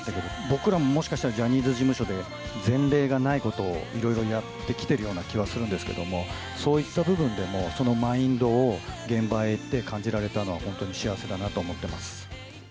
僕らももしかしたらジャニーズ事務所で、前例がないことをいろいろやってきているような気はするんですけれども、そういった部分でもそのマインドを、現場へ行って、感じられたのは、本当に幸せだなと思っています。